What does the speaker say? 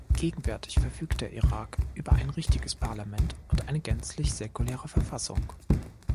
Gegenwärtig verfügt der Irak über ein richtiges Parlament und eine gänzlich säkulare Verfassung.